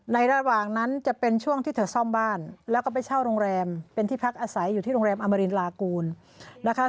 ระหว่างนั้นจะเป็นช่วงที่เธอซ่อมบ้านแล้วก็ไปเช่าโรงแรมเป็นที่พักอาศัยอยู่ที่โรงแรมอมรินลากูลนะคะ